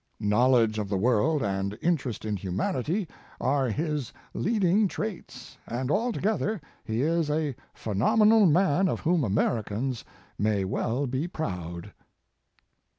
Knowledge of the world and interest in humanity are his leading traits, and, altogether, he is a phenomenal man of whom Americans may well be proud."